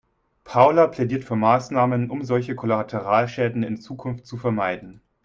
Paula plädiert für Maßnahmen, um solche Kollateralschäden in Zukunft zu vermeiden.